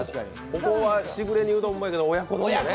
ここはしぐれ煮うどんもいいけど親子丼やね。